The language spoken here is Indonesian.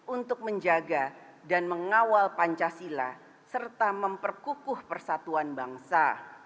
untuk menjaga dan mengawal pancasila serta memperkukuh persatuan bangsa